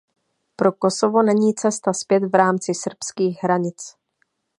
Pro Kosovo není cesta zpět v rámci srbských hranic.